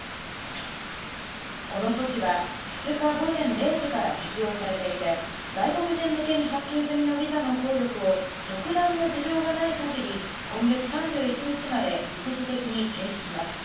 この措置は、２日午前０時から適用されていて、外国人向けに発給済みのビザの効力を、特段の事情がないかぎり、今月３１日まで、一時的に停止します。